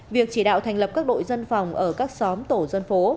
việc chỉ đạo thành lập các đội dân phòng ở các xóm tổ dân phố